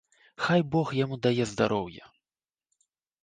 Хай бог яму дае здароўя.